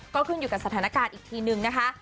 ก็ขึ้นอยู่กับสถานการณ์อีกทีนึงนะคะ